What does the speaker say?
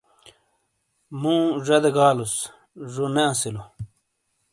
مُو ذَدے گالوس، ذو نے اَسِیلو۔